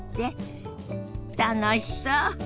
楽しそう。